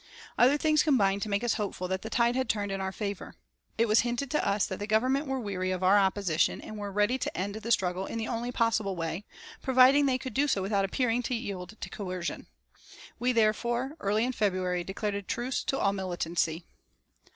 Other things combined to make us hopeful that the tide had turned in our favour. It was hinted to us that the Government were weary of our opposition and were ready to end the struggle in the only possible way, providing they could do so without appearing to yield to coercion. We therefore, early in February, declared a truce to all militancy.